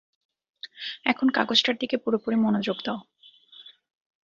এখন কাগজটার দিকে পুরোপুরি মনোযোগ দাও।